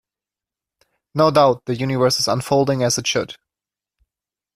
No doubt the universe is unfolding as it should.